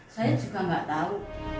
saya juga gak tau